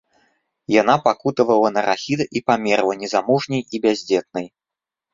Яна пакутавала на рахіт і памерла незамужняй і бяздзетнай.